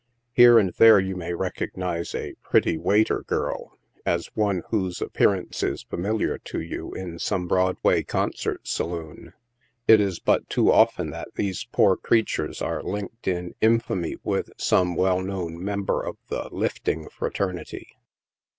Here and there you may recognize a " pretty waiter girl," as one whose appearance is familiar to you in some Broadway concert saloon. It is but too often that these poor creatures are linked in infamy with some well known member of the " lifting" fraternity.